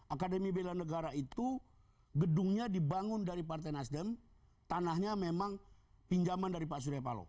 akademi bela negara itu gedungnya dibangun dari partai nasdem tanahnya memang pinjaman dari pak surya paloh